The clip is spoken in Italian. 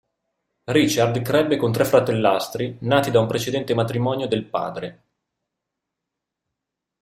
Richard crebbe con tre fratellastri, nati da un precedente matrimonio del padre.